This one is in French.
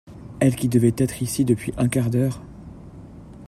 Elle qui devait être ici depuis un quart d'heure…